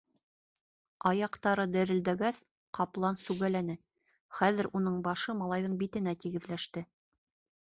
Аяҡтары дерелдәгәс, ҡаплан сүгәләне, хәҙер уның башы малайҙың битенә тигеҙләште.